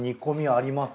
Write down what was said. あります。